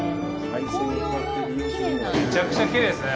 めちゃくちゃきれいですね。